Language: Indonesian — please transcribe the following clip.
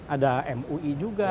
ada mui juga